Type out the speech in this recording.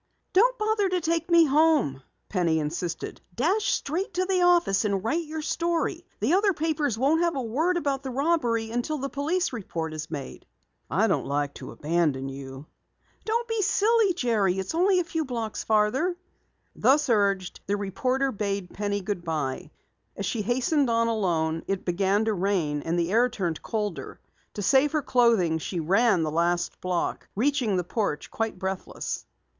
"Don't bother to take me home," Penny insisted. "Dash straight to the office and write your story. The other papers won't have a word about the robbery until the police report is made." "I don't like to abandon you." "Don't be silly, Jerry. It's only a few blocks farther." Thus urged, the reporter bade Penny good bye. As she hastened on alone, it began to rain and the air turned colder. To save her clothing, she ran the last block, reaching the porch quite breathless.